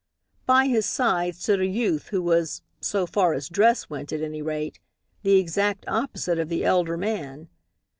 By his side stood a youth who was, so far as dress went at any rate, the exact opposite of the elder man.